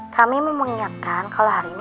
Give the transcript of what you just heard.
kami mau mengingatkan kalau hari ini